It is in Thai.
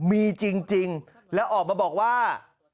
มีจริงแล้วออกมาบอกว่า